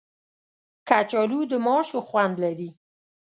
کچالو د ماشو خوند لري